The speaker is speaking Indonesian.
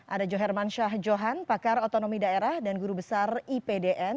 ada joherman syah johan pakar otonomi daerah dan guru besar ipdn